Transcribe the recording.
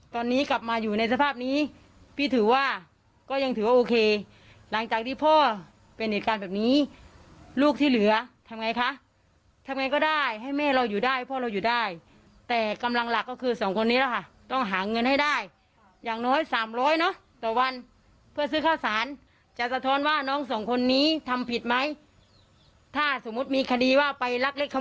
ตอนนี้กลับมาอยู่ในสภาพนี้พี่ถือว่าก็ยังถือว่าโอเคหลังจากที่พ่อเป็นเหตุการณ์แบบนี้ลูกที่เหลือทำไงคะทำไงก็ได้ให้แม่เราอยู่ได้พ่อเราอยู่ได้แต่กำลังหลักก็คือสองคนนี้แหละค่ะต้องหาเงินให้ได้อย่างน้อยสามร้อยเนอะต่อวันเพื่อซื้อข้าวสารจะสะท้อนว่าน้องสองคนนี้ทำผิดไหมถ้าสมมุติมีคดีว่าไปรักเล็กเขา